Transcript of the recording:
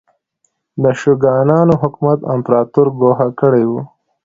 د شوګانانو حکومت امپراتور ګوښه کړی و.